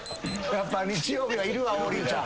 やっぱ日曜日はいるわ王林ちゃん。